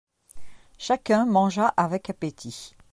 Chacun mangea avec appétit.